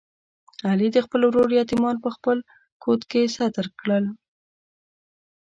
علي د خپل ورور یتیمان په خپل کوت کې ستر کړل.